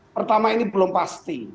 pertama ini belum pasti